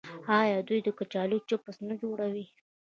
آیا دوی د کچالو چپس نه جوړوي؟